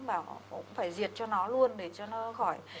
bảo cũng phải diệt cho nó luôn để cho nó khỏi